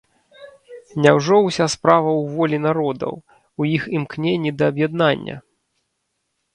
Няўжо ўся справа ў волі народаў, у іх імкненні да аб'яднання!